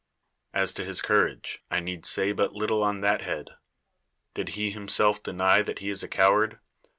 As to his courage, I need say but little on that head. Did he himself deny that he is a coward?